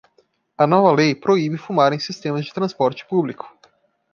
A nova lei proíbe fumar em sistemas de transporte público.